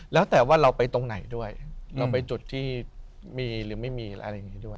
แล้วแต่ว่าเราไปตรงไหนด้วยเราไปจุดที่มีหรือไม่มีอะไรอย่างนี้ด้วย